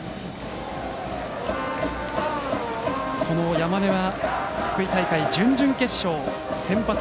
山根は福井大会の準々決勝で先発。